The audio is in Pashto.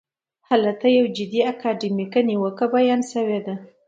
هلته یوه جدي اکاډمیکه نیوکه بیان شوې ده.